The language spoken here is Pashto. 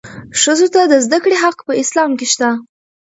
ښځو ته د زدهکړې حق په اسلام کې شته.